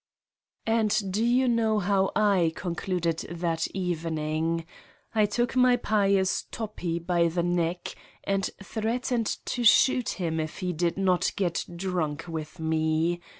And do you know how I concluded that evening? I took my pious Toppi by the neck and threatened to shoot him if he did not get drunk with me.